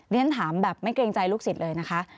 เรียนถามแบบไม่เกรงใจลูกศิษย์เลยนะคะ